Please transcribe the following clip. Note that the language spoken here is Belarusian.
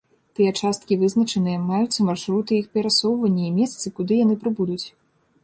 Тыя часткі вызначаныя, маюцца маршруты іх перасоўвання і месцы, куды яны прыбудуць.